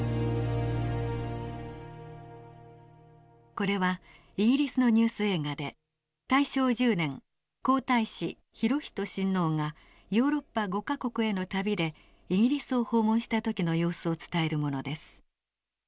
これはイギリスのニュース映画で大正１０年皇太子裕仁親王がヨーロッパ５か国への旅でイギリスを訪問した時の様子を伝えるものです。